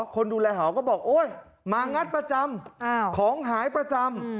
คนดูแลหอก็บอกโอ๊ยมางัดประจำของหายประจำ